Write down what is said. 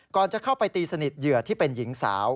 ก่อนจะเข้าไปตีสนิทเหยื่อที่เป็นหญิงสาว